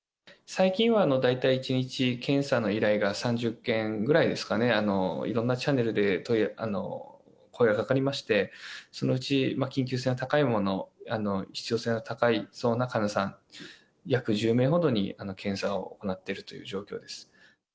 最近は大体１日、検査の依頼が３０件ぐらいですかね、いろんなチャネルで声がかかりまして、そのうち緊急性が高いもの、必要性が高そうな患者さん、約１０名ほどに検査を行っているという状況です。